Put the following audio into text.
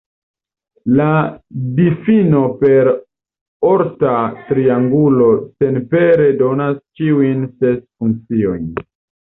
La difino per orta triangulo senpere donas ĉiujn ses funkciojn.